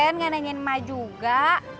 tidak nanya emak juga